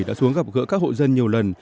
đã xuống gặp gỡ các hộ dân nhiều lần